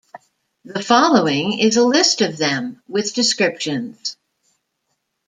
The following is a list of them with descriptions.